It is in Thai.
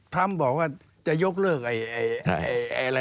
ผลัมบอกว่าจะยกเลิกอ๋ออะไรน่ะ